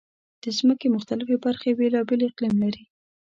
د ځمکې مختلفې برخې بېلابېل اقلیم لري.